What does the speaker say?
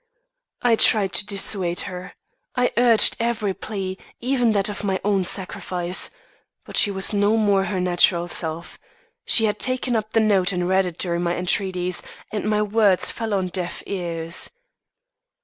"I tried to dissuade her. I urged every plea, even that of my own sacrifice. But she was no more her natural self. She had taken up the note and read it during my entreaties, and my words fell on deaf ears.